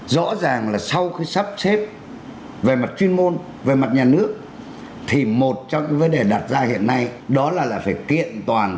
rõ ràng là sau khi sắp xếp về mặt chuyên môn về mặt nhà nước thì một trong những vấn đề đặt ra hiện nay đó là phải kiện toàn